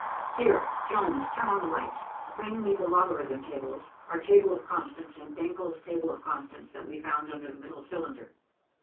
"Here, Jones, turn on the lights. Bring me the logarithm tables, our table of constants, and Denckel's table of constants that we found under the middle cylinder."